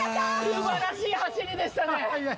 素晴らしい走りでしたね。